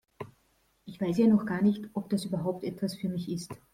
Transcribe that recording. Ich weiß ja noch gar nicht, ob das überhaupt etwas für mich ist.